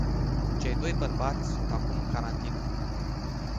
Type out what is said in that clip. Cei doi bărbați sunt acum în carantină.